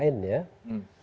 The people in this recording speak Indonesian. dpr itu sudah terbatas